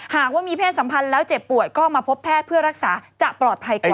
หากว่ามีเพศสัมพันธ์แล้วเจ็บป่วยก็มาพบแพทย์เพื่อรักษาจะปลอดภัยกว่า